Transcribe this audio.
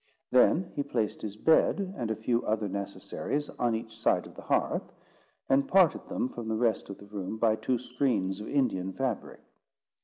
Then he placed his bed and a few other necessaries on each side of the hearth, and parted them from the rest of the room by two screens of Indian fabric.